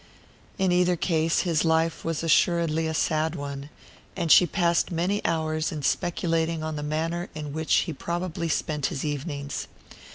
In either case, his life was assuredly a sad one; and she passed many hours in speculating on the manner in which he probably spent his evenings.